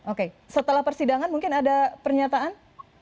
oke setelah persidangan mungkin ada pernyataan